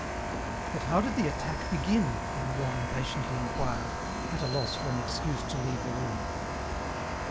"But how did the attack begin?" Rougon impatiently inquired, at a loss for an excuse to leave the room.